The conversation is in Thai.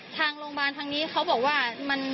ทางโรงพยาบาลทางนี้เขาบอกว่า